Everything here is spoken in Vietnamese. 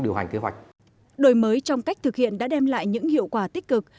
đổi mới trong cách thực hiện đã đem lại những hiệu quả tích cực